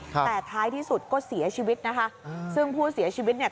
แต่ท้ายที่สุดก็เสียชีวิตนะคะ